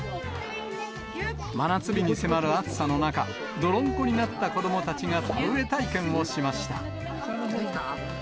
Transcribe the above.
真夏日に迫る暑さの中、泥んこになった子どもたちが田植え体験をしました。